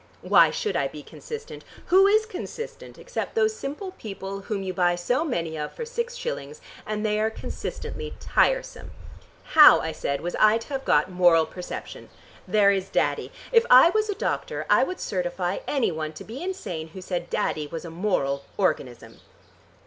"Why should I be consistent? Who is consistent except those simple people whom you buy so many of for six shillings, and they are consistently tiresome. How, I said, was I to have got moral perception? There is Daddy! If I was a doctor I would certify any one to be insane who said Daddy was a moral organism.